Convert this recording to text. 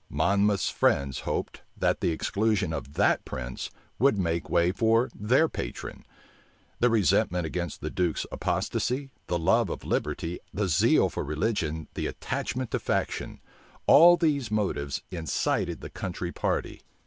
Monmouth's friends hoped, that the exclusion of that prince would make way for their patron. The resentment against the duke's apostasy, the love of liberty, the zeal for religion, the attachment to faction; all these motives incited the country party.